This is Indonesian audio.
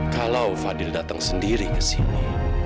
kalau fadil datang sendiri ke sini